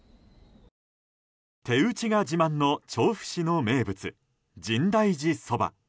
手打ちが自慢の調布市の名物、深大寺そば。